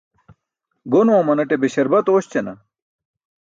Gon oomanate be śarbat oośćana.